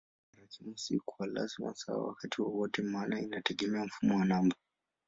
Thamani ya tarakimu si kwa lazima sawa wakati wowote maana inategemea mfumo wa namba.